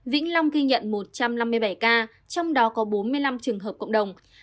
vĩnh long ghi nhận một trăm năm mươi bảy ca trong đó có bốn mươi năm trường hợp cộng đồng